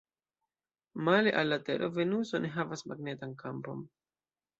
Male al la Tero, Venuso ne havas magnetan kampon.